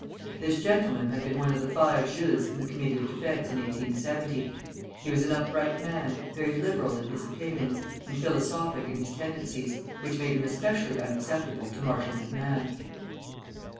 This gentleman had been one of the five Jules's in the Committee of Defence in 1870. He was an upright man, very liberal in his opinions, and philosophic in his tendencies, which made him especially unacceptable to Marshal MacMahon.